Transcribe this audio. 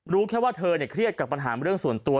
รู้แค่ว่าเธอเครียดกับปัญหาเรื่องส่วนตัว